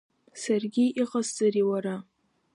Саргьы Иҟасҵари уара!